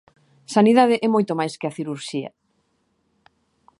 Sanidade é moito máis que a cirurxía.